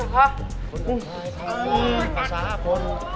วัชกา